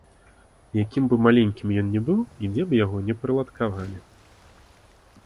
Якім бы маленькім ён не быў і дзе б яго не прыладкавалі.